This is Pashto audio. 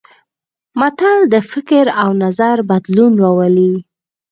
متل د فکر او نظر بدلون راولي